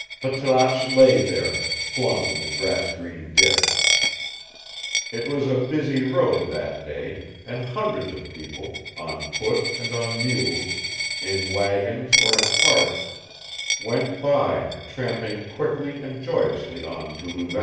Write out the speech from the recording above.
Patrasche lay there, flung in the grass green ditch. It was a busy road that day, and hundreds of people, on foot and on mules, in wagons or in carts, went by, tramping quickly and joyously on to Louvain.